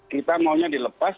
kita maunya dilepas